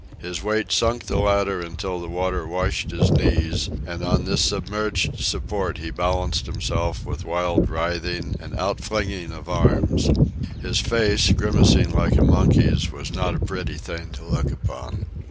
His weight sank the ladder until the water washed his knees, and on this submerged support he balanced himself with wild writhing and outflinging of arms. His face, grimacing like a monkey's, was not a pretty thing to look upon.